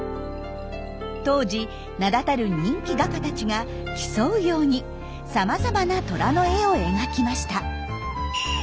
当時名だたる人気画家たちが競うようにさまざまなトラの絵を描きました。